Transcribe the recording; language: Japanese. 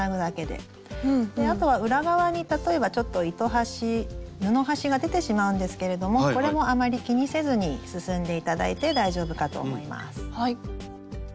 であとは裏側に例えばちょっと糸端布端が出てしまうんですけれどもこれもあまり気にせずに進んで頂いて大丈夫かと思います。